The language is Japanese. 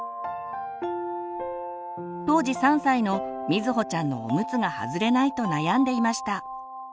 当時３歳の瑞穂ちゃんのおむつが外れないと悩んでいました。